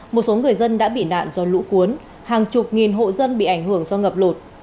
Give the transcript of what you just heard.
một số người dân đã bị nạn do lũ cuốn hàng chục nghìn hộ dân bị ảnh hưởng do ngập lụt